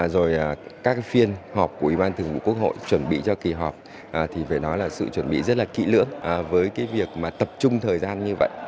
rồi các phiên họp của ủy ban thường vụ quốc hội chuẩn bị cho kỳ họp thì phải nói là sự chuẩn bị rất là kỹ lưỡng với cái việc mà tập trung thời gian như vậy